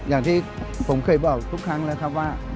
อย่างที่ผมเคยบอกทุกครั้งแล้วครับว่า